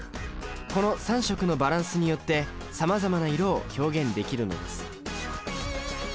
この３色のバランスによってさまざまな色を表現できるのです。